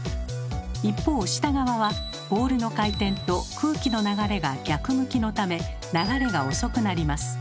一方下側は「ボールの回転」と「空気の流れ」が逆向きのため流れが遅くなります。